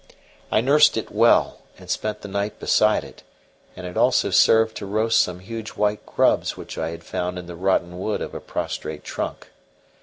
I nursed it well, and spent the night beside it; and it also served to roast some huge white grubs which I had found in the rotten wood of a prostrate trunk.